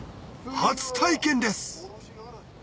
初体験です！